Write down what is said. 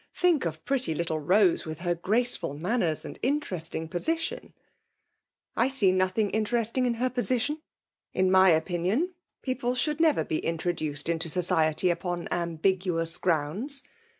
—* Think of pret^ li4de Boa^ with her graoeftil manners aad interesting position !'*'^ I see nothing interesting in her position, in my opinion^ people skoald never be intro duced into society upon ambiguous grounds.